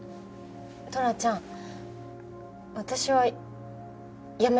トラちゃん私はやめたくない。